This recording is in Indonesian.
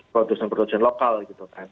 produksi produksi lokal gitu kan